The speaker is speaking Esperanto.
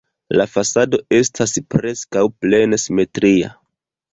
La fasado estas preskaŭ plene simetria.